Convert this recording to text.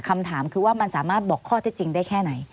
คำถามคือว่ามันสามารถบอกข้อเท็จจริงได้แค่ไหน